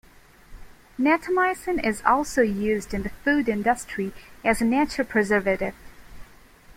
Natamycin is also used in the food industry as a natural preservative.